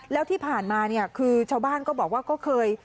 แล้วที่ผ่านมาเนี่ยคือชาวบ้านก็บอกว่าก็เคย